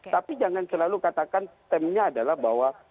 tapi jangan selalu katakan temannya adalah bahwa